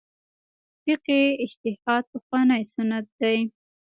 فقهي اجتهاد پخوانی سنت دی.